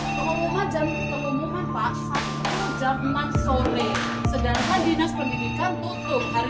hai pengumuman jam pengumuman pak jam enam sore sedangkan dinas pendidikan tutup hari